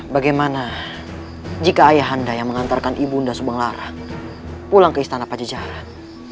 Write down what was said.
bagaimana jika ayahanda yang mengantarkan ibu nda subanglarang pulang ke istana pajajaran